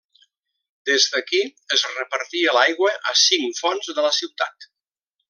Des d'aquí es repartia l'aigua a cinc fonts de la ciutat.